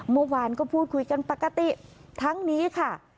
เมื่อวานก็พูดคุยกันปกติทั้งนี้ค่ะ